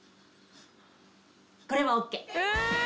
これはＯＫ。